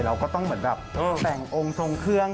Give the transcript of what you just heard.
เราก็ต้องเหมือนแบบแต่งองค์ทรงเครื่อง